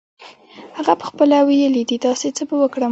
هغه پخپله ویلې دي داسې څه به وکړم.